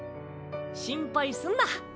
心配すんな。